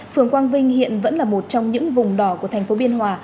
phường quang vinh hiện vẫn là một trong những vùng đỏ của thành phố biên hòa